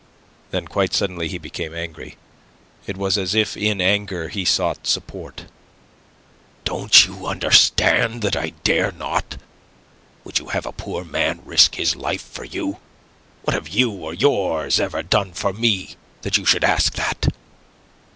Then, quite suddenly he became angry. It was as if in anger he sought support. "Don't you understand that I dare not? Would you have a poor man risk his life for you? What have you or yours ever done for me that you should ask that?